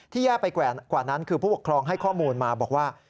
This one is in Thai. แย่ไปกว่านั้นคือผู้ปกครองให้ข้อมูลมาบอกว่า